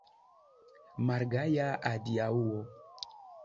Malgaja adiaŭo!